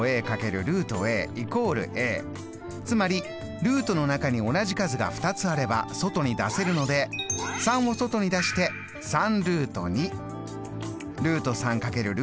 つまりルートの中に同じ数が２つあれば外に出せるので３を外に出して３。